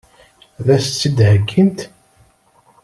Ad as-tt-id-heggint?